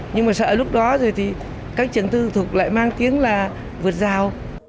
nhưng mà sợ lúc đó rồi thì các trường tư thuộc lại mang tiếng là vượt rào